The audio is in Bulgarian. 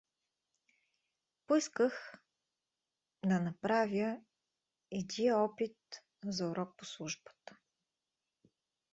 Поисках ха направя едия опит за урок по службата.